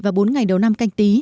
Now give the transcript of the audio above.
và bốn ngày đầu năm canh tí